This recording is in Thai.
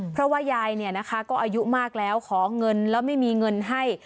เพราะว่ายายเนี่ยนะคะก็อายุมากแล้วขอเงินแล้วไม่มีเงินให้